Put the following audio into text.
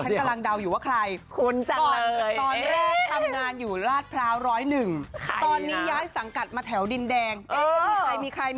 ฉันกำลังเดาอยู่ว่าใครตอนแรกทำงานอยู่ราชพราวร้อยหนึ่งตอนนี้ย้ายสังกัดมาแถวดินแดงมีใคร